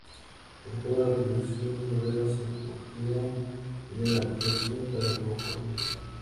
Con todo, las producciones modernas aún confían en el anacronismo para provocar un efecto.